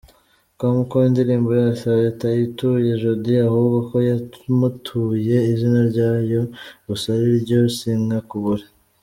com ko indirimbo yose atayituye Jody ahubwo ko yamutuye izina ryayo gusa ariryo “Sinkakubure”.